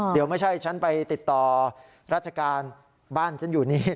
เดี๋ยวไม่ใช่ฉันไปติดต่อราชการบ้านฉันอยู่นี่